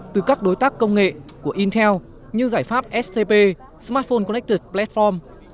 từ các đối tác công nghệ của intel như giải pháp stp smartphone connected platform